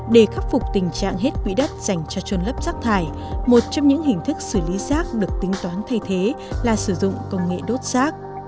để khắc phục tình trạng hết quỹ đất dành cho trôn lấp rác thải một trong những hình thức xử lý rác được tính toán thay thế là sử dụng công nghệ đốt rác